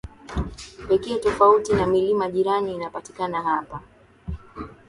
pekee tofauti na milima jirani inapatikana hapa